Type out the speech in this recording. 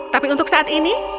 tapi untuk saat ini